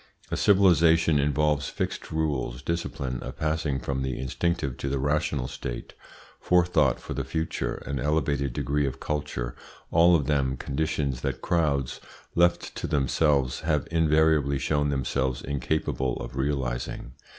A civilisation involves fixed rules, discipline, a passing from the instinctive to the rational state, forethought for the future, an elevated degree of culture all of them conditions that crowds, left to themselves, have invariably shown themselves incapable of realising.